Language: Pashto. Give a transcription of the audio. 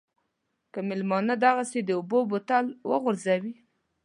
که مېلمانه دغسې د اوبو بوتل وغورځوي.